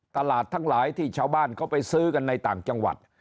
ตลาดทั้งหลายที่ชาวบ้านเขาไปซื้อกันในต่างจังหวัด